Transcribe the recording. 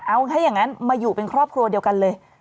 เอาถ้าอย่างนั้นมาอยู่เป็นครอบครัวเดียวกันเลย